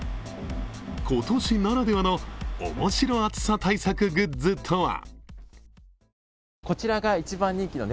今年ならではの面白暑さ対策グッズとは？